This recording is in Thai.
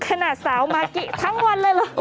ขนาดสาวมากี้ทั้งวันเลยเหรอ